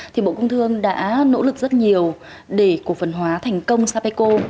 thì bộ công thương đã nỗ lực rất nhiều để cổ phần hóa thành công sapeco